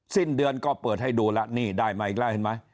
สิ้นเดือนก็เปิดให้ดูแล้วนี่ได้มาอีกแล้วเห็นไหม